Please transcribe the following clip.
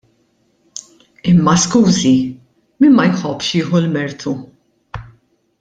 Imma skużi, min ma jħobbx jieħu l-mertu?